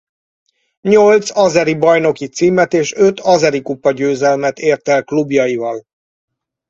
Nyolc azeri bajnoki címet és öt azerikupa-győzelmet ért el klubjaival.